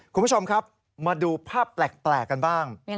คุณผู้ชมครับมาดูภาพแปลกกันบ้าง